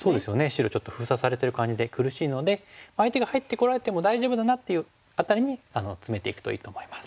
白ちょっと封鎖されてる感じで苦しいので相手が入ってこられても大丈夫だなっていう辺りにツメていくといいと思います。